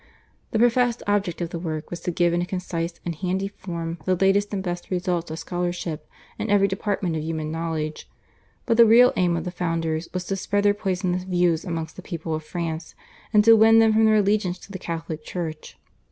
The professed object of the work was to give in a concise and handy form the latest and best results of scholarship in every department of human knowledge, but the real aim of the founders was to spread their poisonous views amongst the people of France, and to win them from their allegiance to the Catholic Church.